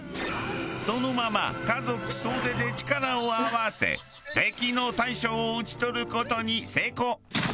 そのまま家族総出で力を合わせ敵の大将を討ち取る事に成功。